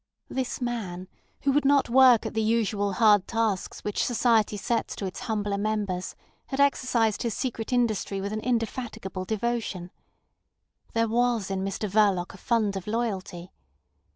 This man, who would not work at the usual hard tasks which society sets to its humbler members, had exercised his secret industry with an indefatigable devotion. There was in Mr Verloc a fund of loyalty.